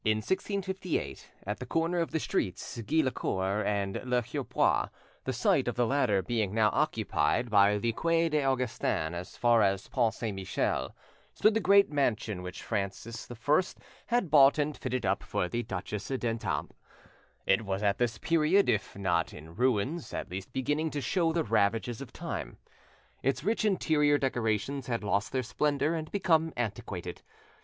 CHAPTER II In 1658, at the corner of the streets Git le Coeur and Le Hurepoix (the site of the latter being now occupied by the Quai des Augustins as far as Pont Saint Michel), stood the great mansion which Francis I had bought and fitted up for the Duchesse d'Etampes. It was at this period if not in ruins at least beginning to show the ravages of time. Its rich interior decorations had lost their splendour and become antiquated.